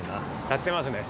やってますね。